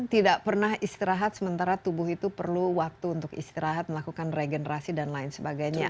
tidak pernah istirahat sementara tubuh itu perlu waktu untuk istirahat melakukan regenerasi dan lain sebagainya